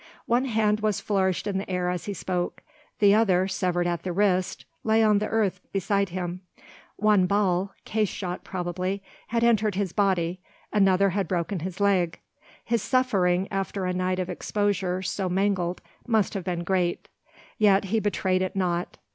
One hand was flourished in the air as he spoke, the other, severed at the wrist, lay on the earth beside him; one ball (case shot, probably) had entered his body, another had broken his leg. His suffering, after a night of exposure so mangled, must have been great; yet he betrayed it not.